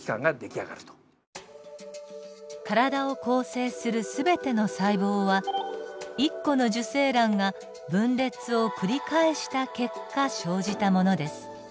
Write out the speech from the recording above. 体を構成する全ての細胞は１個の受精卵が分裂を繰り返した結果生じたものです。